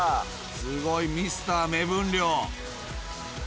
すごい、ミスター目分量。